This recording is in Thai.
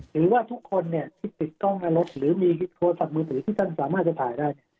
หรือว่าทุกคนเนี่ยที่ติดกล้องหน้ารถหรือมีโทรศัพท์มือถือที่ท่านสามารถจะถ่ายได้